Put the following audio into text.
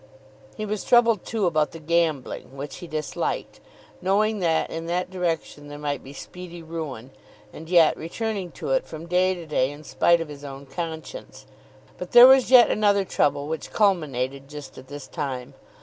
He was troubled too about the gambling, which he disliked, knowing that in that direction there might be speedy ruin, and yet returning to it from day to day in spite of his own conscience. But there was yet another trouble which culminated just at this time.